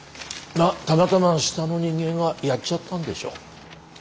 またまたま下の人間がやっちゃったんでしょう。